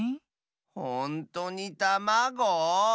ほんとにたまご？